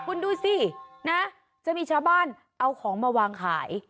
คุณดูสินะจะมีชาวบ้านเอาของมาวางขาย